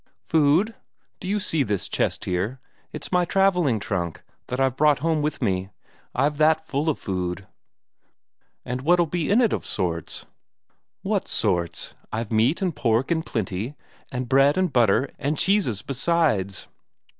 "Food? Do you see this chest here? It's my travelling trunk, that I brought home with me I've that full of food." "And what'll be in it of sorts?" "What sorts? I've meat and pork in plenty, and bread and butter and cheese besides."